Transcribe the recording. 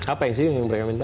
apa yang mereka minta